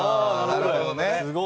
なるほどね。